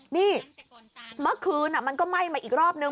นี่เมื่อคืนมันก็ไหม้มาอีกรอบนึง